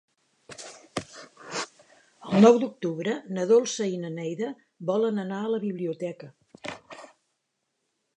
El nou d'octubre na Dolça i na Neida volen anar a la biblioteca.